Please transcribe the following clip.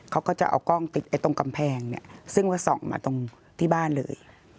เขาก็จะเอากล้องติดตรงกำแพงเนี่ยซึ่งว่าส่องมาตรงที่บ้านเลย